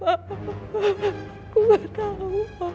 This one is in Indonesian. aku tidak tahu